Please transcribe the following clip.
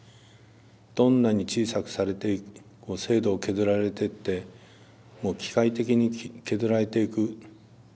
どんなに小さくされて制度を削られてってもう機械的に削られていく。